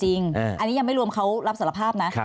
อันนี้ยังไม่รวมเขารับสารภาพนะ